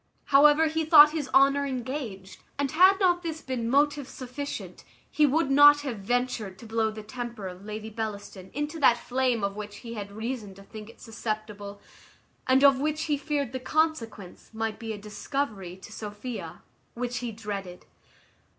However, he thought his honour engaged, and had not this been motive sufficient, he would not have ventured to blow the temper of Lady Bellaston into that flame of which he had reason to think it susceptible, and of which he feared the consequence might be a discovery to Sophia, which he dreaded.